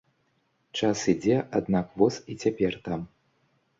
Час ідзе, аднак воз і цяпер там.